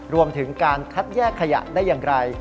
รวมถึงการคัดแยกขยะได้อย่างไร